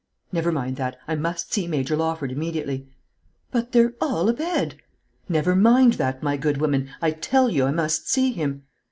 "Never mind that; I must see Major Lawford immediately." "But they're all abed." "Never mind that, my good woman; I tell you I must see him."